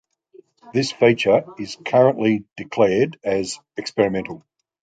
This feature is currently declared as "experimental".